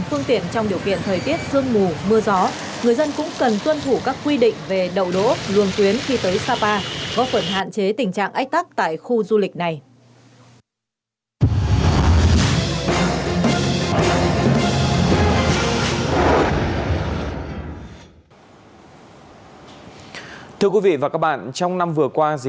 các phương tiện đều bị hệ thống camera giám sát ghi lại